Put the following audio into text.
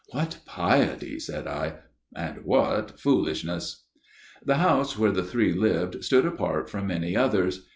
What piety ! said I, and what foolishness !" The house where the three lived stood apart from any others.